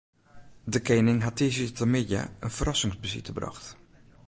De kening hat tiisdeitemiddei in ferrassingsbesite brocht.